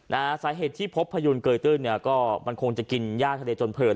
สาเหตุที่พบพยูนเกยตื้นเนี่ยก็มันคงจะกินย่าทะเลจนเผิน